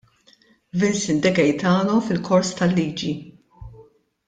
Vincent De Gaetano fil-kors tal-liġi.